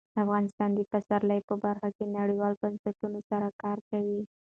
افغانستان د پسرلی په برخه کې نړیوالو بنسټونو سره کار کوي.